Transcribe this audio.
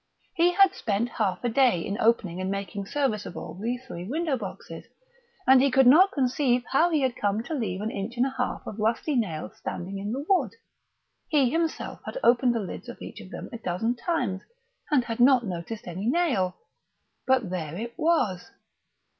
He had spent half a day in opening and making serviceable the three window boxes, and he could not conceive how he had come to leave an inch and a half of rusty nail standing in the wood. He himself had opened the lids of each of them a dozen times and had not noticed any nail; but there it was....